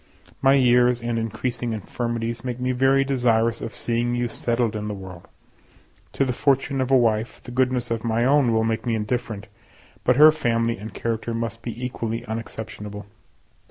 My years and increasing infirmities make me very desirous of seeing you settled in the world. To the fortune of a wife, the goodness of my own will make me indifferent, but her family and character must be equally unexceptionable.